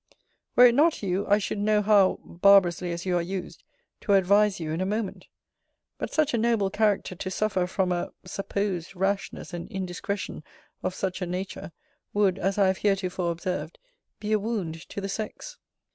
Were it not you, I should know how (barbarously as you are used) to advise you in a moment. But such a noble character to suffer from a (supposed) rashness and indiscretion of such a nature, would, as I have heretofore observed, be a wound to the sex.